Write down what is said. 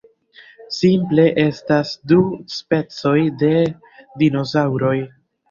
Simple estas du specoj de dinosaŭroj.